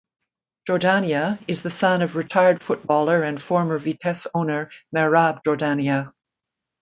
Jordania is the son of retired footballer and former Vitesse owner Merab Jordania.